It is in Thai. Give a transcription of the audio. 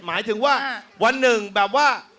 หมายถึงว่าวันหนึ่งแบบว่า